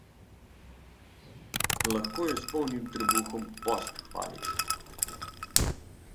Lahko je s polnim trebuhom post hvaliti.